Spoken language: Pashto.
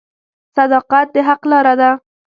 • صداقت د حق لاره ده.